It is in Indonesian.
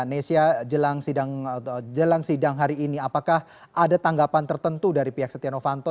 nesya jelang sidang hari ini apakah ada tanggapan tertentu dari pihak setia novanto